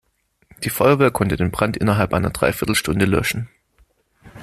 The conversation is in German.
Die Feuerwehr konnte den Brand innerhalb einer dreiviertel Stunde löschen.